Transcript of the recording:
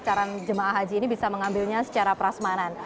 karena jemaah haji ini bisa mengambilnya secara prasmanan